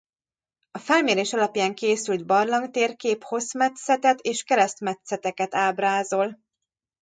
A felmérés alapján készült barlangtérkép hosszmetszetet és keresztmetszeteket ábrázol.